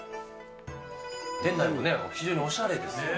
店内もね、非常におしゃれですね。